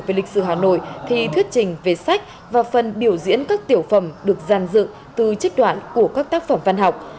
về lịch sử hà nội thi thiết trình về sách và phần biểu diễn các tiểu phẩm được giàn dựng từ chất đoạn của các tác phẩm văn học